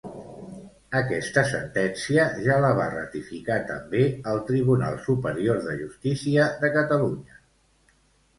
Aquesta sentència ja la va ratificar també el Tribunal Superior de Justícia de Catalunya.